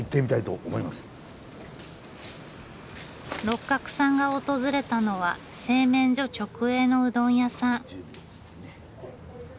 六角さんが訪れたのは製麺所直営のうどん屋さん。